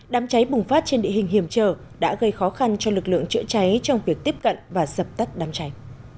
đám cháy bùng phát trên địa hình hiểm trở đã gây khó khăn cho lực lượng chữa cháy trong việc tiếp cận và dập tắt đám cháy